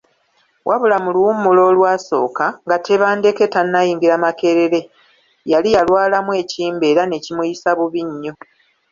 Wabula mu lummula olwasooka, nga Tebandeke tannayingira Makerere yali yalwalamu ekimbe era ne kimuyisa bubi nnyo.